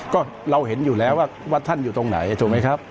ก็เราเห็นอยู่แล้วว่าท่านอยู่ตรงไหนถูกไหมครับ